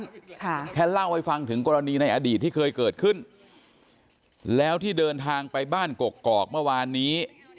ค่ะแค่เล่าให้ฟังถึงกรณีในอดีตที่เคยเกิดขึ้นแล้วที่เดินทางไปบ้านกกอกเมื่อวานนี้